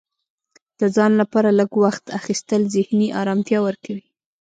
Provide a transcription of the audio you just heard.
د ځان لپاره لږ وخت اخیستل ذهني ارامتیا ورکوي.